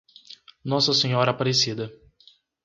Nossa Senhora Aparecida